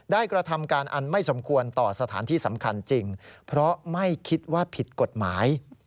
กระทำการอันไม่สมควรต่อสถานที่สำคัญจริงเพราะไม่คิดว่าผิดกฎหมาย